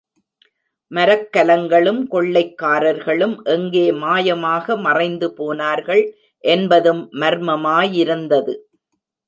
மரக்கலங்களும் கொள்ளைக்காரர்களும் எங்கே மாயமாக மறைந்து போனார்கள் என்பதும் மர்மமாயிருந்தது.